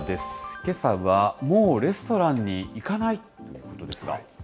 けさはもうレストランに行かない？ということですが。